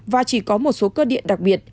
và chỉ có một số cơ điện đặc biệt